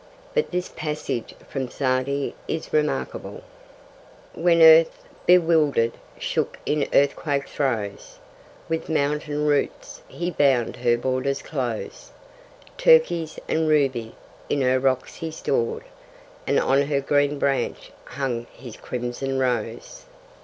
But this passage from Sa'di is remarkable: When Earth, bewildered, shook in earthquake throes, With mountain roots He bound her borders close; Turkis and ruby in her rocks He stored, And on her green branch hung His crimson rose.